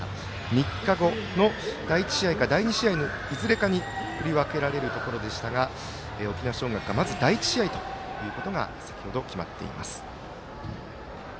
３日後の第１試合か、第２試合の振り分けられるところでしたが沖縄尚学がまず第１試合ということが先ほど、決まっています。